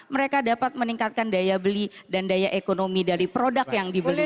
mereka dapat meningkatkan daya beli dan daya ekonomi dari produk yang dibeli